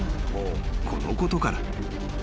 ［このことから］